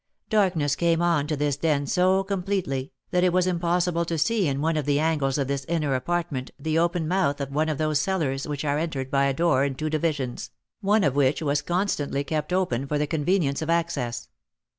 Darkness came on to this den so completely, that it was impossible to see in one of the angles of this inner apartment the open mouth of one of those cellars which are entered by a door in two divisions, one of which was constantly kept open for the convenience of access.